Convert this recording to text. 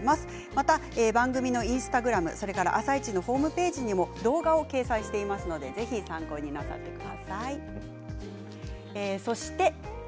また番組のインスタグラム「あさイチ」のホームページにも動画を掲載していますのでぜひ参考になさってください。